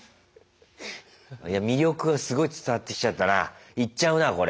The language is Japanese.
魅力がすごい伝わってきちゃったな行っちゃうなこれ。